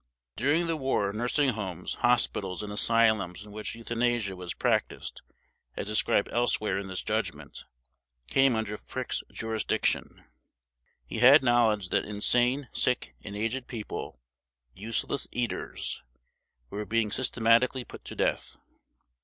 During the war nursing homes, hospitals, and asylums in which euthanasia was practiced as described elsewhere in this Judgment, came under Frick's jurisdiction. He had knowledge that insane, sick, and aged people, "useless eaters", were being systematically put to death.